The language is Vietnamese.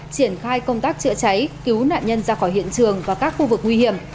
triển khai công tác chữa cháy cứu nạn nhân ra khỏi hiện trường và các khu vực nguy hiểm